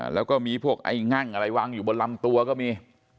แล้วก็มีพวกไอ้งั่งอะไรวางอยู่บนลำตัวก็มี